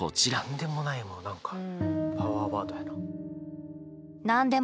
「なんでもない」も何かパワーワードやな。